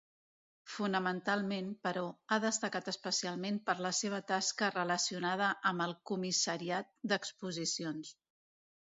Fonamentalment, però, ha destacat especialment per la seva tasca relacionada amb el comissariat d’exposicions.